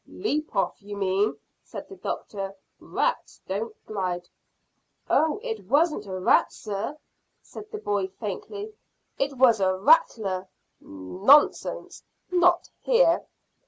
"Leap off, you mean," said the doctor. "Rats don't glide." "Oh, it wasn't a rat, sir," said the boy faintly. "It was a rattler." "Nonsense! Not here."